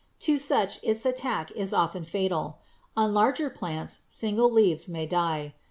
To such its attack is often fatal. On larger plants single leaves may die.